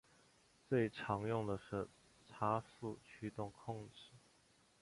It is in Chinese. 最常用的是差速驱动控制。